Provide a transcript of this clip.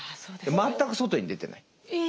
全く外に出てない。